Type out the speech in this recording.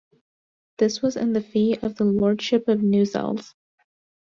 This was in the fee of the Lordship of Newsells.